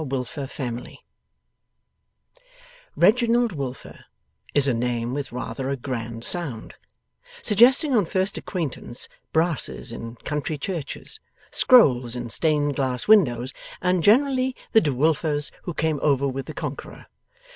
WILFER FAMILY Reginald Wilfer is a name with rather a grand sound, suggesting on first acquaintance brasses in country churches, scrolls in stained glass windows, and generally the De Wilfers who came over with the Conqueror.